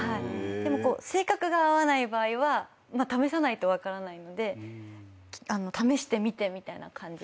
でも性格が合わない場合は試さないと分からないので試してみてみたいな感じで。